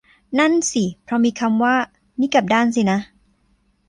นั่นสิพอมีคำว่า นี่กลับด้านสินะ